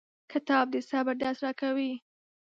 کتاب د صبر درس راکوي.